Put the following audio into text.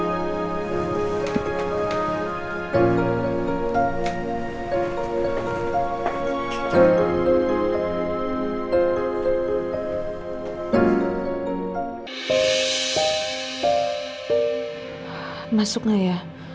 masuk vespa di sana ya